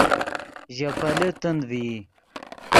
ژے پیلے تند ڤئی